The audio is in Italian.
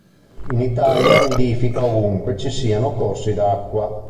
In Italia nidifica ovunque ci siano corsi d'acqua.